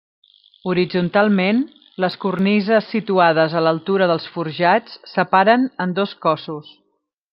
Horitzontalment, les cornises situades a l'altura dels forjats separen en dos cossos.